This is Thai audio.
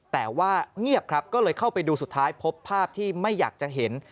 แต่ว่าเงียบครับก็เลยเข้าไปดูสุดท้ายพบภาพที่ไม่อยากจะเห็น